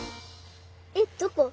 えっどこ？